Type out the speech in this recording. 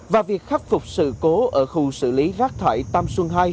và việc khắc phục sự cố ở khu xử lý rác thải tam xuân hai